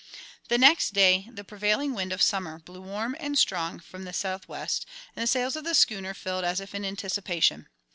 The next day the prevailing wind of Summer blew warm and strong from the south west, and the sails of the schooner filled as if in anticipation.